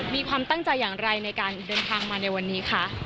มีความตั้งใจอย่างไรในการเดินทางมาในวันนี้คะ